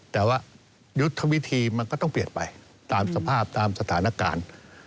แต่ว่ายุทธวิธีมันก็ต้องเปลี่ยนไปตามสภาพตามสถานการณ์